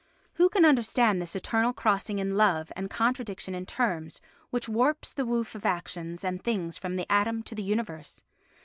Who can understand this eternal crossing in love and contradiction in terms which warps the woof of actions and things from the atom to the universe?